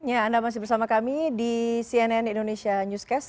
ya anda masih bersama kami di cnn indonesia newscast